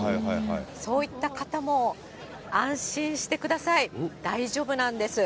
そういった方も安心してください、大丈夫なんです。